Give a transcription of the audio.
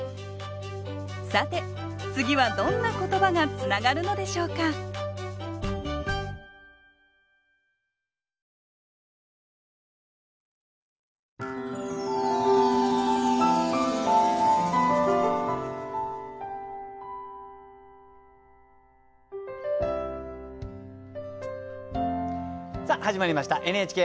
さて次はどんな言葉がつながるのでしょうかさあ始まりました「ＮＨＫ俳句」。